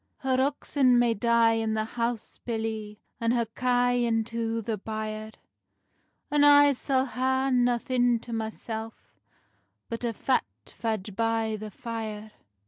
"Her oxen may dye i' the house, billie, And her kye into the byre; And I sall hae nothing to mysell Bot a fat fadge by the fyre."